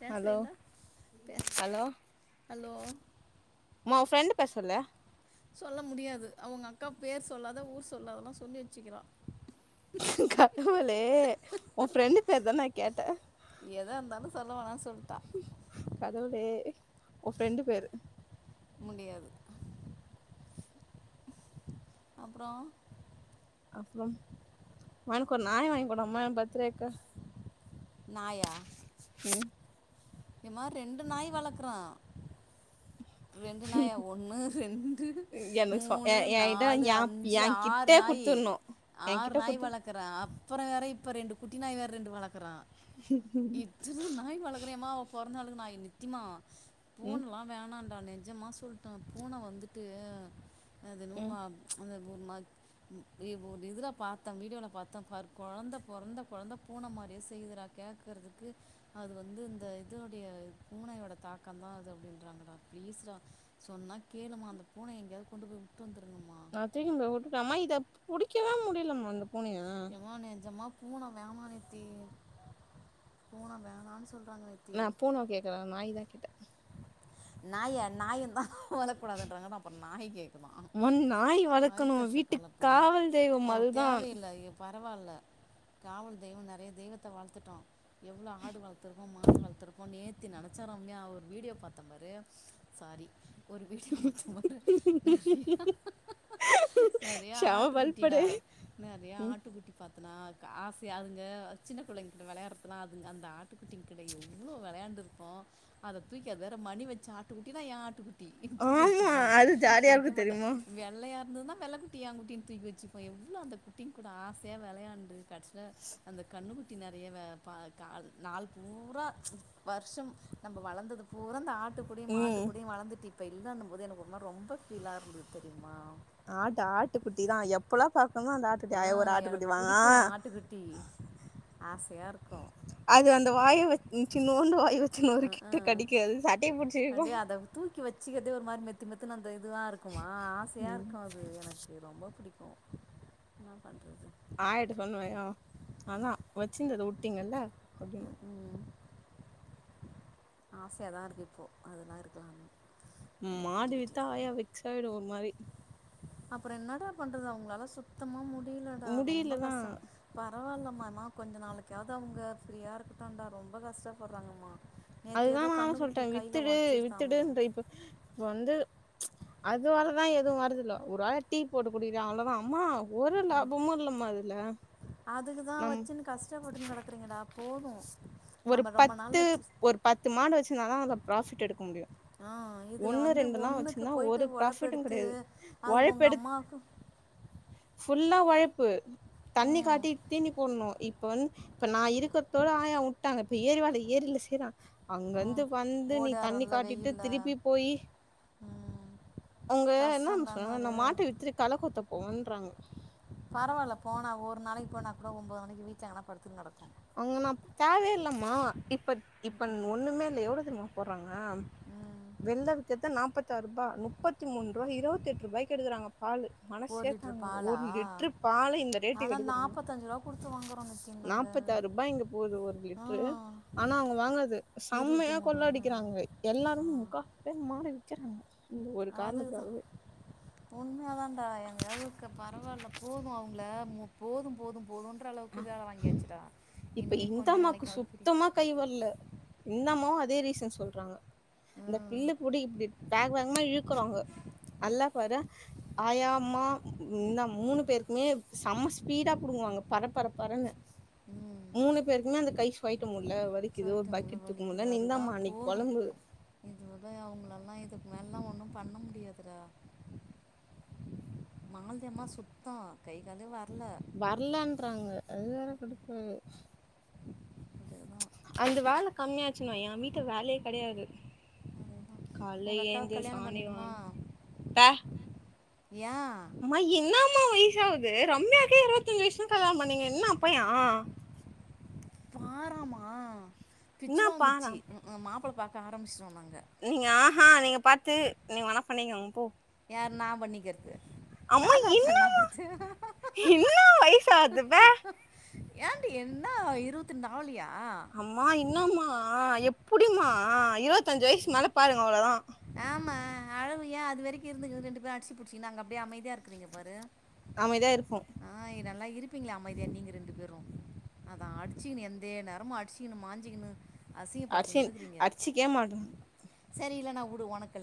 பேசவே ஹலோ இல்ல பே ஹலோ ஹலோ மா ஊ ஃப்ரெண்டு் பேர் சொல்லு சொல்ல முடியாது அவங்க அக்கா பேர் சொல்லாத ஊர் சொல்லாதல்லா சொல்லி வெச்சிக்கிறா கடவுளே உன் ஃப்ரெண்டு் பேர்தான கேட்டே எதா இருந்தாலு சொல்ல வேணான் சொல்ட்டா ஊ ஃப்ரெண்டு பேரு முடியாது அப்பறம் அப்பறம் மா எனக்கு ஒரு நாய் வாங்கிக்குடுமா என் பர்த்டேக்கு நாயா ம் இந்த மாரி ரெண்டு நாய் வளக்குறான் ரெண்டு நாயா ஒண்ணு ரெண்டு எனக்கு சொ மூணு எ என்கிட்ட நாலு எ அஞ்சு ஆறு என்கிட்டே நாயி குடுத்துர்ணு ஆறு என்கிட்ட நாய் குடுத்து வளக்குறான் அப்பற வேற இப்ப ரெண்டு குட்டி நாய் வேற ரெண்டு வளக்குறான் இதெல்லா நாய் வளக்குறியாமா உ பொறந்தநாளுக்கு நாய் இருந்துச்சு திம்மா ம் பூனல்லா வேணா நா நெஜமா சொல்லிட்டேன் பூன வந்துட்டு அதுலும் ம் வா அந்த மத் இது ஒரு இதுல பாத்தேன் வீடியோல பாத்தேன் பாரு கொழந்த பொறந்த கொழந்த பூன மாரியே செய்யுது கேட்கறதுக்கு அது வந்து இந்த இதோடைய பூனையோட தாக்கம் தான் அது அப்பிடின்றாங்கடா ப்ளீஸ்டா சொன்னா கேளுமா அந்த பூனைய எங்கேயாவது கொண்டு போய் வுட்டு வந்துரு வந்துடுங்கமா நான் தூக்கினு போயி வுட்டுட்டு அம்மா கிட்ட புடிக்கவே முடியலமா அந்த எம்மா நெஜம்மா பூன வேணாநித்தி பூன வேனான்னு சொல் நான் பூன கேக்கல நாய் தான் கேட்டேன் நாய நாயுந்தா வளக்கூடதுன்றாங்கன்னா அப்புறோ நாய் கேக்குதா அம்மா நாய் வளக்கணு வைதெறிச்சல வீட்டுக்கு காவல் தெய்வம் கெளப்புதுங்க அதுதா தேவையில்ல எ பரவால்ல காவல் தெய்வம் நெறைய தெய்வத்த வளத்துட்டோ எவ்ளோ ஆடு வளர்த்துருக்கோ மாடு வளர்த்துப்போ நேத் த்தி நெனச்ச ரம்யா ஒரு வீடியோ பாத்தன் பாரு சாரி ஒரு வீடியோ பாத்த பாரு நெறயா நெறயா செம ஆட்டு குட்டிடா வல்படு நெறைய ம் ஆட் பார்த்தன்னா கசை யார்ங்க சின்ன பிள்ளைங்கிட்ட விளையாடுறதுலா அதுங்க அந்த ஆட்ட பட்டுக்ட்டிங் கடை எவ்லோ விளையாண்டுருக்கு அதை தூக்கி வேற மணி வச்ச ஆட்டு குட்டினா என் ஆட்டு குட்டி ஆமா தூக்கிவச்சுப்ப அது ஜாலியா குடிக்க இருக்கும் மட்ட தெரியுமா வெள்ளையா அந்ததான் வெள்ளகுட்டிங்க குட்டின் தூக்கி வச்சுப்போ எவ்ளோ அந்த குட்டி கூட ஆசையா விளையாண்டு கடைசியில் அந்த கண்ணுக்குட்டி நெறைய ல நாள் பூரா வருஷம் நம்ம வளர்ந்தது பூரா அ இந்த ஆ டி குடி ம் மாட்டுக்குடி வளந்துட்டு இப்ப இல்லங் போது எனக்கு ஒரு மாரி ரொம்ப ஃபீலா இருந்தது தெரியுமா ஆட்டு ஆட்டு குட்டிதா எப்பல்லா பா ந்த ஆட்டு ஆ ஒரு ஆட்டு குட்டி எனக்கு வாங் பிடிக்கும் ஆட்டுக்குட்டி ஆசையாக இருக்கும் அது அந்த வாய சின்னோண்டு வாய வ சு ன்னு ஆ, ரு ஆ. கிட்டு கடிக்காது சட்டையை புடிச்சிஇழுக்கும் வச்சக்கதே ஒரு மாதி மெத்மெத்து நா இதுவாக இருக்குமா ஆசையாக ம் இருக்கும் அது எனக்கு து ரொம்ப பிடிக்கும் நா பண் ஆயாட்ட சொன்னுவே ஆ அதா வச்சிருந்தத உட்டீங்கல்ல அப்டின்னு ஆசைய தான் இருக்கு இப்போ அதெல்லா இருக்கலாம் மாடுவித்தா ஆயா வெக்சாயிடும் ஒரு மாரி அப்புறோ என்னதா பண்றது அவங்களால சுத்தமா மூடி புரியலடா ரொம்ப முடியலதா கஷ்டம் ப பரவாயில்லம்மா என்னா கொஞ்சம் நாளைக்காவது அவங்க ஃப்ரீயாக இருக்கட்டோடா ரொம்ப கஷ்டப்பட்றாங்கம்மா அதுதான் நான் சொல்லிட்டேன் வித்துடு உடச்சிருந்தாமே வித்துடுன்ற இப்ப இப்ப வந்து அதுவாலதா எதுவும் வரதில்ல ஒரு வேளை டீ போட்டு குடிக்கிறேன் அவ்ளோதான் அம்மா ஒரு லாபமும் இல்லம்மா அதுல அதுக்குதான் வச்சுன்னு கஷ்டப்பட்டுன்னு கெடக்குறீங்களா போதும் ஒரு நம்ம ரொம்ப நாள் பத்து வச்சு ஒரு பத்து மாடு ருந்துச்சுனாதான் அதுல ப்ராஃபிட் எடுக்க முடியும் ஆஹ்ன் இதில வந்து ஒன்னுக்கு போயிட்டு ஒரு ப்ராஃபிட்டு ஒழைப்பெடுத்து கெடையாது அது உங்க ஒழைப்பெடு அம்மாவுக்கும் ஃபுல்லா ஒழைப்பு தண்ணி ம் காட்டி தீனி போடணு இப்ப வந் இப்ப நான் இருக் கத்தோடு ஆயா விட்டாங்க இப்ப ஏரி வல ஏரில செய்றான் அங்கருந்து ம் வந்து நீ தண்ணி ஓடாரம்ல காட்டிட்டு வெயிலில் திருப்பி போயி ம் அவுங்க என்ன தெரிமா கஷ்டம் தானே சொல்றாங்க அந்த அது மாட்ட வித்துட்டு களை கொத்த போங்கன்றாங்க பரவாயில்ல போனால் ஒரு நாளைக்கு போனா கூட ஒம்பது மணிக்கு வீட்ல எங்கனா படுத்துன்னு கெடக்கும் அவுங்களுக் நான் தேவயே இல்லமா இப்ப இப்பன் ஒண்ணுமே இல்ல எவ்ளோ தெரியுமா போடுறாங்க ம் வெள்ள வித்தது நாப்பத்தாருபா நுப்பத்தி மூன்றுவானு இருவத்தெட்ருபாய்க்கு எடுக்கறாங்க பாலு ஒரு மனசே லிட்ரு தாங்கல பாலா ஒரு லிட்ரு பாலு இந்த ரேட்டுக்கு ஆனால் எடுக்கறாங்க நாற்பத்தஞ்சு ரூபா கொடுத்து வாங்குறோம் நித்தின் நான் நாங்கள் முப்பத்தாருபா இங்க போது ஒரு ஆ லிட்ரு ஆனா அவுங்க வாங்குறது இருபத்தி செம்மையா மூணு கொள்ள ரூபா அடிக்கிறாங்க எல்லாருமே முக்கா [unintelligible] மாறி விக்கிறாங்க இந்த ஒரு அதுதான் காரணத்துக்காகவே உண்மையாதான்டா எங்க எளவுக்கு பரவால்ல போதும் அவுங்கள மு போதும் போதும் போதுன் ஆன் இப்ப கொஞ்ச இந்தம்மாக்கு நாளைக்காவது ஃப்ரீ சுத்தமா கை வர்ல இந்தம்மாவு அதே ரீசன் சொல்றாங்க இந்த ம் பில்லு புடி இப்டி வேக வேகமா இழுக்குறாங்க அல்லா பாரு ஆயா அம்மா இந்த மூணு பேருக்குமே செம்ம ஸ்பீடா புடுங்குவாங்க பரப்பரப்பரன்னு ம் மூணு பேருக்குமே அந்த கை சொயிட்ட முடில வலிக்குது ஒரு சொல்லிட்டோம்ல பக்கெட் தூக்க முடில வலிக்குது நிந்தாம்மா அதுதான் அன்னைக்கு போதும் பொழம்புது மேல்லாம் ஒண்ணும் பண்ண முடியாதுடா மால்தியம்மா சுத்தம் கை காலே வர்ல வர்லன்றாங்க அது வேற கடுப்பாகுது அதுதான் அந்த வேலை கம்மியாச்சுன்னா என் வீட்டு வேலையே கிடையாது அதுதான் காலை உங்கள் அக்காவை ஏந்து கல்யாணம் சாணி பண்ணிடுமா வார்னும் பே ஏன் னம்மா வயசாகுது ரம்யாக்கே இருபத்தஞ்சு வயசு தான் கல்யாணம் பண்ணீங்க என்ன அப்பையான் ஆறாமா பிச்சுருவன் என்னாப்பா பிச்சு உனக்கும் மாப்பிளை பாக் காரம்சோம் நீங்க ஆஹா நீங்க பாத்து நீங்வெனா பண்ணிக்கங் போ யாரு நா பண்ணிக்கறே அம்மா இன்னமா இன்னு வயசாதுப ஏன்டி என்னா இருவுத்துனாவுலியா அம்மா இன்னம்மா எப் புடிமா இருவத்தஞ்சி வயசுக் மேல பாருங்க அவ்ளோதா ஆமா அழவுயா அது வரிக்கு இருந்துங்க ரெண்டு பேர் அட்சி புட்சீனு அங்க அப்டியே அமைதியா இருக்குறீங்க பாரு அமைதியா இருப்போ ஆய் நல்லா இருப்பீங்ளே அமைதியா நீங்க ரெண்டு பேரு ட்ரு அதா அடிச்சிகினு எந்தே நேரமு அடிச்சிகினு மாஞ்சிகினு அர்சின் அட்சிக்கே மாட் சரி இல்ல நான் உ ப்ரோ ஒனக்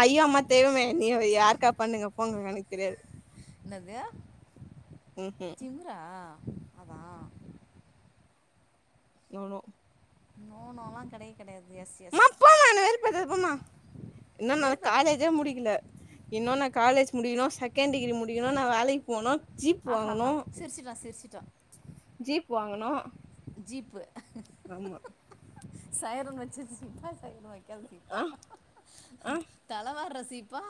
ஐயோ அம்மா தெய்வமே நீ வேற யாருக்கா பண்ணுங்க போங்க எனக் தெரியாது என்னது ம் ம் சிம்முரா நோ நோ நோ நோலா கெடய கெடையாது மா போ மா என்ன வெறுப்பு ஏத்தாத போ மா இன்னு நா வெறுப்பேத்துறேன் காலேஜே முடிக்கில இன்னு நா காலேஜ் முடிக்ணு செகண்ட் டிகிரி முடிக்ணு நா வேலிக் போணு ஜீப் வாங்ணு ஜ ஜீப் வாங்குணு ஜீப்பு சைரன் வச்ருச்சு போ சைரன் வக்காத சசீப்பா ஆ தலவார்ர சீப்பா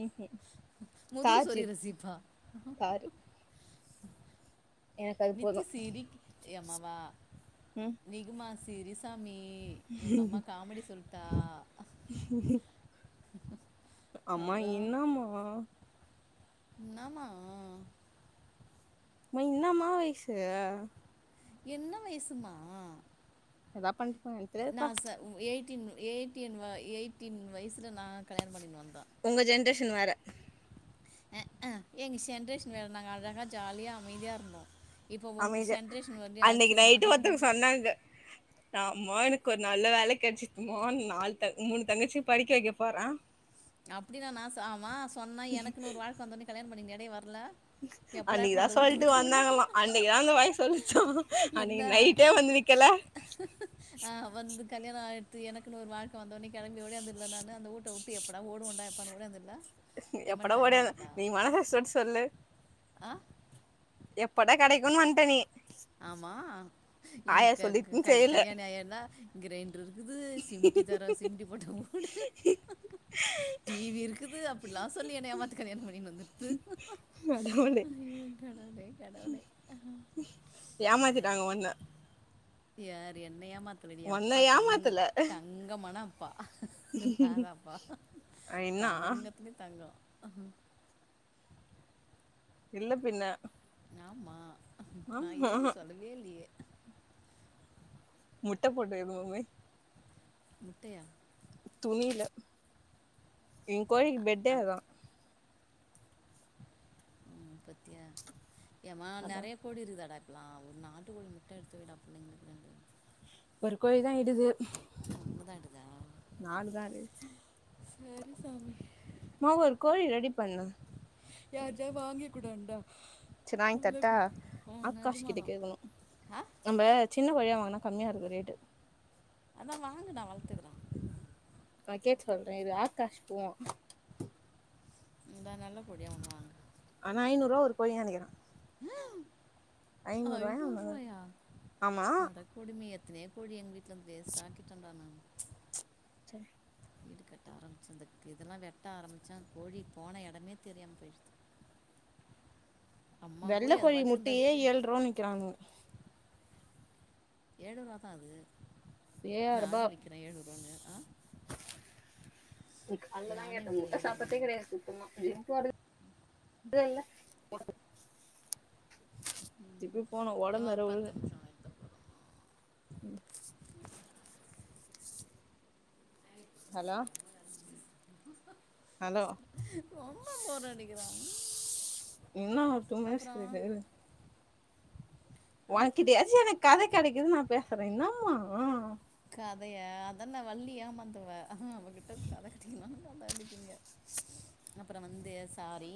ம்ஹு முதுகு தார் சொறிகிற ஜிப் சீப்பா தாரு எனக்கு அது போது நித்தி சீரிக் எமாவா ம் நிகுமா செரி சாமி உங்க அம்மா காமிடி சொல்லிடா அம்மா இன்னாமா இன்னாமா மை இன்னாமா வய்சு என்ன வயசுமா எதா பண்டுபோங்க எனக் தெர்யாதுபா யேட்டீன் வா எயிட்டீன் வய்சு இல நான் கல்யாண பண்ணினு வந்தன் சனு வேர ஹ்அ எங்க ஜென்ரேஷன் வேற நாங்க அழகா ஜாலியா அமைதியா இருந்தோம் இப்போ உங்கள் அமைஜ ஜென்ரேஷன் வந்து அன்னைக்கு அடிச்சுன்னு நைட்டு ஒருத்தக்கு மாதிரி சொன்னாங்க ஆ அம்மா எனக்கு ஒரு நல்ல வேலை கிடைச்சுக்குமோ நாலு த மூணு தங்கச்சி படிக்க வைக்க போறேன் அப்படிின் நான் நான் ஆமா சொன்னா எனக்குன்ன ஒரு வாழ்க்கை வந்தோன்னே கல்யாண பண்ணிங்க அப்படி வரல எப்படா இப்போ அன்னைக்குதான் அந்த விட்டு சொல்லிட்டு விட்டு வந்தாங்கமா விடலாம் அன்னைக்குதான் அந்த வய சொல்லிச்சோம் என்ன அன்னைக்கு நைட்டே வந்து நிக்கல எனக்கு ஒரு வாழ்கை வந்த உடனே கிளம்பி ஓடியந்ததல நானு அந்த ஊட்ட உட்டு எப்பட ஓடும் ண்டா ப்பான ஓடியந்தல எப்படா ஓடிய நீ மனசட்டு சொல்லு ஆ எப்படா கிடைக்கும் [unintelligible] ஆமா எங்க சொல்லிட்டுன்னு செய்யல கல்யாணி ஆய இருந்தா கிரைண்டர் இருக்குது சிமிட்டி தர சிமிட்டி போட்ட போடு டிவி இருக்குது இப்டிலா சொல்லி ஏமாத்து கல்யாண பணின்னு வந்துடுது கடவுளே கடவுளே ஏமாத்திட்டாங்க ஒன்ன யார் என்னயமா தடிய ஒன்ன அப்பா தங் ஏமாத்தல தங்க மணம் அப்பா ந தான்ப்பா இன்னா தங்கத்துலயும் தங்கம் ஆ இல்ல பின்ன ஆமா நான் ஆமா இல்லன்னு சொல்லவே இல்லையே முட்ட போட்டு எது [unintelligible] முட்டை யா துணில என் கோழிக்கு பெட்டே அந் அதான் பத்தியா ஏமா அதா நெறைய கோடி இருக்குதாடா அப்பலாம் ஒரு நாட்டு கோழி முட்டை எடுத்து விடா பிள்ளைங்களுக்கு ந ஒரு கோழி தான் இடுது ஓ உங்க தான் எடுதா நாலு தான் இடுது சரி சாமி மா ஒரு கோழி ரெடி பண்ணு யாஜா வாங்க உக்டண்டா ச்னாய்ங் தட்டா ஆக்காஷ் நிஜமா கிட்ட தான் கேகணு ஆ நம்ப சி சின்ன கோழியா வாங்குனா கம்மியா இருக்கு ரேட்டு அதா வாங்குடா வளத்துக்குளா நா கேட் சொல்ற இரு ஆகாஷ் போவா இந்த நல்ல கோழியா ஒன்னு வாங்கு ரோ ஒரு கோழி நெனகிற ஹேம் என்னமோ ஐநூரூவாயா ஆமா அடக்கொடுமைய இதே கோழி எங்கிட் [unintelligible] வேஸ்டாக்கிட்டன்டா நா ச்சரி வீடு கட்ட ஆரம்பிச்சந்துக்கிதல்லா வெட்ட ஆரம்மிச்சா கோழி போன எடமே தெரியாம் போயிடுத்து வெள்ளக்கோழி முட்டையே ஏழ் ரூவான் விக்கிறாங்க ஏழுரூவா தா அது ஏழாயிரூபா நானே விக்கறே ஏழ் ரூவான்னு க் அல்லதா நானே எட்ட விற்கிறேன் முட்ட ஏழு சாப்பட்தே ரூபான்னு கெடையாது சுத்தமா அய்யோ க்காடு [unintelligible] திருப்பி போனோ ஒடம்பு வேற இவன் விழுகு பத்து நிமிஷம் எடுத்த போகிறோம் ம் ஹலோ ஹலோ ரொம்ப போரடிக்கிறா இன்னு ஒரு டூ மினிட்ஸ் இருக்கு ஆ ஒனக்கிட்டயாச்சி எனக் கத கெடைக்குது நா பேசுற என்னா ஆ கதய அதன்ன வள்ளி ஏமாந்துவ அ அ அவகிட்ட கத கட்டீல்லா கத அடிப்பீங்க அப்பறோ வந்து சாரி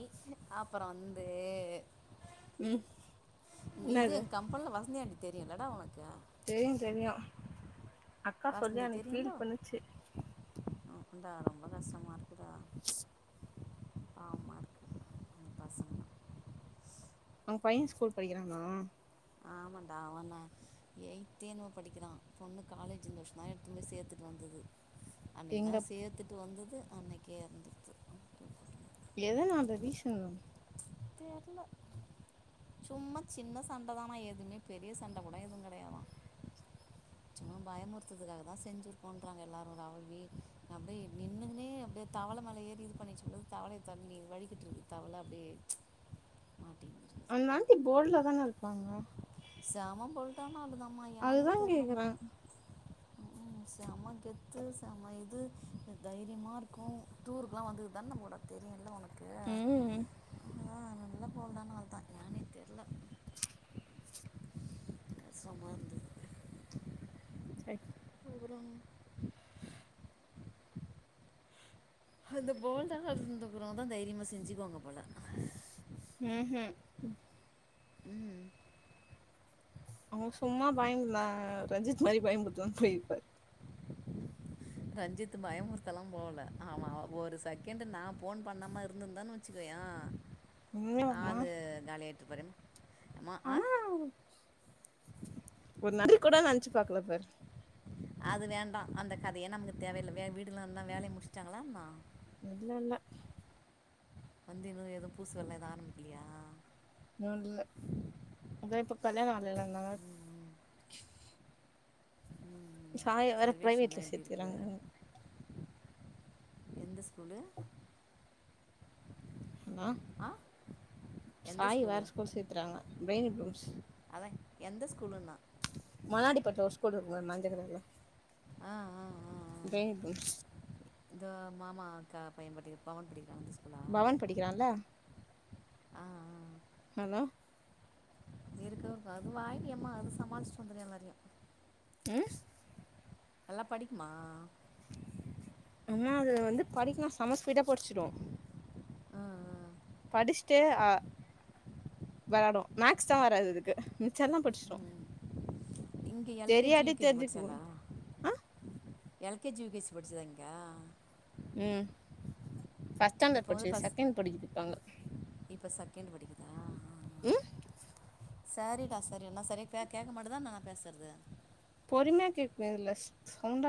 அப்பறோ வந்து ம் இது எ என்னது கம்பல்ல வசந்தி ஆன்டி தெரியுல்லடா உனக்கு தெரியு தெரியு அக்கா சொல்லி அன்னைக் ஃபீல் பண்ணுச்சு ஆமாடா ரொம்ப கஷ்டமா இருக்குடா பாவ்மா இருக்கு அந்த பசங்ளா பையன் ஸ்கூல் படிக்கிறானா ஆமான்டா அவன்தா எயித்தேன்னு படிக்கிறா பொண்ணு காலேஜ் இந்தர்ஷோந்தா எடுத்துன்போய் சேத்துட்டு வந்துது அன்னைக்குதா எங்க சேத்துட்டு வந்து து அன்னைகே [inaudible] எத நா அந்த ரீசன் தெர்ல சும்மா சின்ன சண்ட தானா எதுவுமே பெரிய சண்ட கூட எதுவும் கிடையாதா சும்மா பயமுறுத்துதுக்காக தா செஞ்சுருப்போன்றாங்க எல்லாரும் [unintelligible] அப்டே நின்னுகுனே அப்டே தவள மேல ஏறி இது பண்ணிச்சி போது தவளயை தண்ணி வழிகிட்ருக்கு தவள அப்டியே மாட்டி அந்தாண்டி போல்ல தான இருப்பாங்க செம பொருத்தமா இருந்தோ அதுதா கேக்குற ம் செம கெத்து செம இது அ தைரியமா இருக்கும் டூருக்குல்லா வந்துக்குதுதான நம்ம கூட தெரியுல்ல உனக் ம் ஆ நல்ல போல்டான ஆள் தா ஏனே தெர்ல [unintelligible] சரி் அந்த போல்டா இருந்தப்புறோ தா தைரியமா செஞ்சுக்குவாங்க போல ஹும் ம் அவன் சும்மா பயந் அ ரஞ்சித் மாரி பயமுறுத்துவேனு சொல்லிருப்பாரு ரஞ்சித் பயமுறுத்தெல்லா போகல ஆமா ஒரு செகண்ட் நா போன் பண்ணாம இருந்துருந்தனு வச்சுக்கயே உண்மையாவாமா ஆளு காலியா அப்பறம் ஆனா ஒரு நாளு கூட நெனச்சு பாக்கலப்பாரு அது வேண்டா அந்த கதையே நமக்கு தேவயில்ல வே வீடுல இருந்த வேல முடிச்ட்டாங்களா என்னா இல்ல இல்ல வந்து இன்னு எதுவு பூச்சொல்ல எது ஆரம்பிக்கலையா இன்னு இல்ல அதா இப்போ கல்யாணொ ஆகலல அனால ம் ம் சாய வேற பிரைவேட்ல சர்வேஷன்லாம் எப்படி இருக்குது சேத்துக்குறாங்க எந்த ஸ்கூலு ஹலோ ஆ எந்த சாயி வேற ஸ்கூலு ஸ்கூல் சேரக்ஷத்துறாங்க பிரெயின் ப்லூம்ஸ் அதான் எந்த ஸ்கூலுங்க நாடிபட்டுல ஒரு ஸ்கூல் இருக்கும்ல மஞ்ச கலர்ல ஆஹ் ஆஹ் ஆஹ் பேபில்ஸ் இந்த மாமா அக்கா பைய படிக்கது பவன்பிடி பவன் படிக்கிறான்ல ஆஹ் ஹலோ இருக்கு அது வாயாடி அம்மா அது சமாளிச்ட்டு வந்துரு எல்லாறையு ம் நல்லா படிக்குமா ஆனா அது வந்து படிக்கனா செம ஃஸ்பீடா படிச்சுடு ஆ படிச்ட்டு ஆஹ் வெளாடு மேக்ஸ் தா வராது அதுக்கு செல்ல படிச்ட்டோ இங்கே எல்கேஜி தெரியாட்டி யூகேஜி தெரிஞ்சுக்குவோ ஆஹ் L K G U K C படிச்சுதா இங்க உம் ஃபஸ்ட் ஸ்டாண்டட் இப்போ வந்து படிச்சுது ஃபஸ்ட் செகண்ட் படிகிது இப்ப அங்க இப்போ செகண்ட் படிக்குதா ஆ, உம் இல்ல சரி அன்னா சரியா கேக்க மாட்டேங்குதா நா பேசுறது பொறுமையா கேக்கு இதுல ச் சவுண்டா